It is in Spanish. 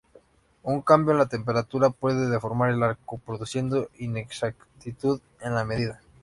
Un cambio en la temperatura puede deformar el arco, produciendo inexactitud en la medida.